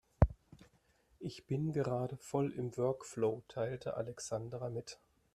Ich bin gerade voll im Workflow, teilte Alexandra mit.